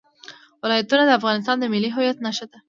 ولایتونه د افغانستان د ملي هویت نښه ده.